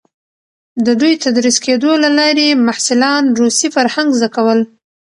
د دوی تدریس کېدو له لارې محصلان روسي فرهنګ زده کول.